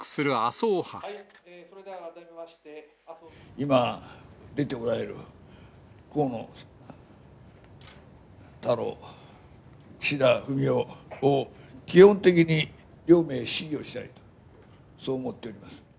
今、出ておられる、河野太郎、岸田文雄を、基本的に両名支持をしたいと、そう思っております。